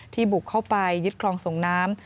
บุกเข้าไปยึดคลองส่งน้ำ